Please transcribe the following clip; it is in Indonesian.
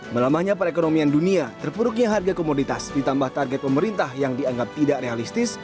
melamahnya perekonomian dunia terpuruknya harga komoditas ditambah target pemerintah yang dianggap tidak realistis